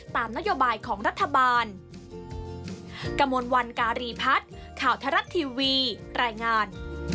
ตามนโยบายของรัฐบาล